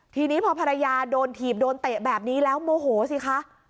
ทีนี้พอภรรยาโดนถีบโดนเตะแบบนี้แล้วโมโหสิคะ